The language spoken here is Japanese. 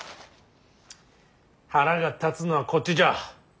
腹が立つのはこっちじゃ。